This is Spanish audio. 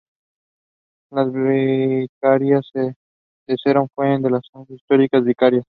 La Vicaría de Serón fue una de las dos históricas Vicarías.